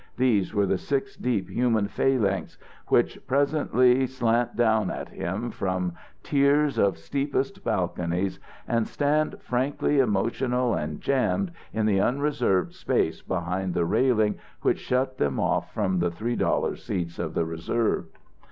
These were the six deep human phalanx which would presently slant down at him from tiers of steepest balconies and stand frankly emotional and jammed in the unreserved space behind the railing which shut them off from the three dollar seats of the reserved.